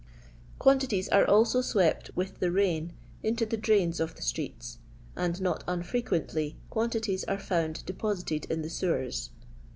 Quantities are also swept with the rain into the drains of the streets, and not unfrequently quantities are found deposited in the sewers.